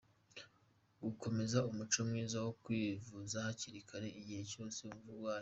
Gukomeza umuco mwiza wo kwivuza hakiri kare igihe cyose wumva urwaye;.